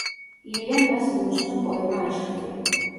ილიამ მას მიუძღვნა პოემა „აჩრდილი“.